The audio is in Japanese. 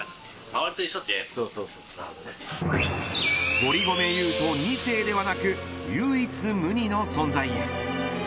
堀米雄斗２世ではなく唯一無二の存在へ。